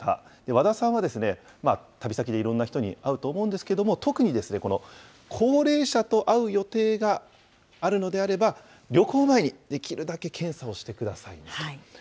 和田さんは、旅先でいろんな人に会うと思うんですけれども、特に高齢者と会う予定があるのであれば、旅行前にできるだけ検査をしてくださいと。